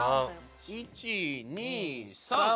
１２３。